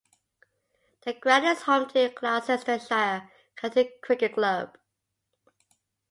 The ground is home to Gloucestershire County Cricket Club.